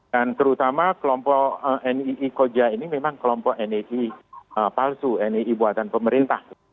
dan terutama kelompok nii koja ini memang kelompok nii palsu nii buatan pemerintah